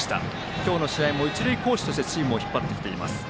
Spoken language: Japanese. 今日の試合も一塁コーチとしてチームを引っ張っています。